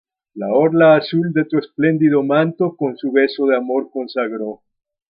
La orla azul de tu esplendido manto Con su beso de amor consagró.